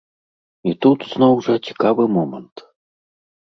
І тут, зноў жа, цікавы момант.